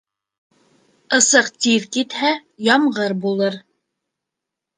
Ысыҡ гиҙ китһә, ямғыр булыр.